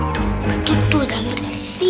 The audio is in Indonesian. tuh betul tuh jangan berisik